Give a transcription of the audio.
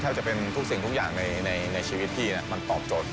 จะเป็นทุกสิ่งทุกอย่างในชีวิตพี่มันตอบโจทย